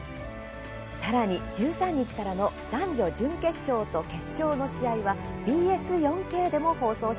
さらに、１３日からの男女準決勝と決勝の試合はＢＳ４Ｋでも放送。